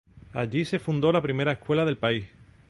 Allí se fundó la primera escuela del país.